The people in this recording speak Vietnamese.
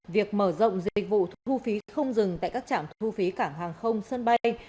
việc mở rộng dịch vụ thu phí không dừng tại các trạm thu phí cảng hàng không sân bay